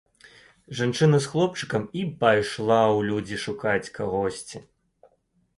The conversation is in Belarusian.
Жанчына з хлопчыкам і пайшла ў людзі шукаць чагосьці.